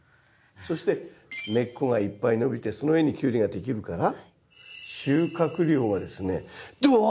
そして根っこがいっぱい伸びてその上にキュウリができるから収穫量がですねどわ